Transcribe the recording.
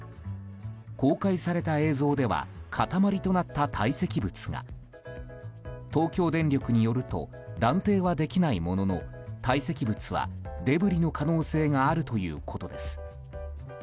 公開された映像では塊となった堆積物が東京電力によると断定はできないものの堆積物はデブリの可能性があるということです。